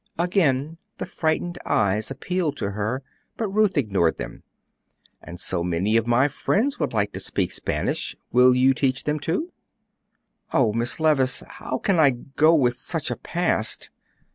Again the frightened eyes appealed to her; but Ruth ignored them. "And so many of my friends would like to speak Spanish. Will you teach them too?" "Oh, Miss Levice, how can I go with such a past?"